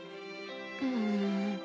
うん。